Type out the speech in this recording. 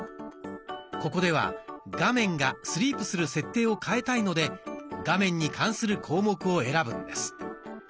ここでは画面がスリープする設定を変えたいので画面に関する項目を選ぶんです。